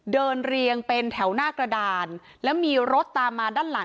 เรียงเป็นแถวหน้ากระดานแล้วมีรถตามมาด้านหลัง